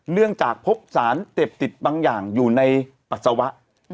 เนื่องจากพบสารเสพติดบางอย่างอยู่ในปัสสาวะ